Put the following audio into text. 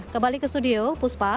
kembali ke studio apuspa